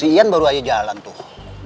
iyan baru aja jalan tuh